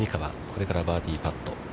これからバーディーパット。